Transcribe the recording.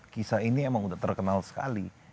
kisah ini emang udah terkenal sekali